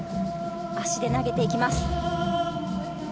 足で投げていきます。